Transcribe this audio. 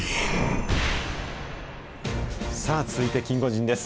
さあ続いて、キンゴジンです。